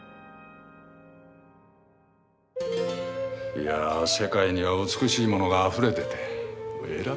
いや世界には美しいものがあふれてて選べません。